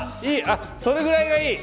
あっそれぐらいがいい！